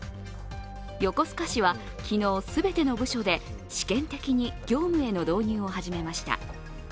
横須賀市は、昨日、全ての部署で試験的に業務への導入を始めました。